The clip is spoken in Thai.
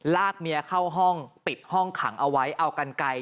ลากเมียเข้าห้องปิดห้องขังเอาไว้เอากันไกล